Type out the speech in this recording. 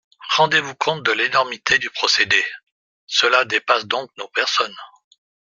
Rendez-vous compte de l’énormité du procédé ! Cela dépasse donc nos personnes.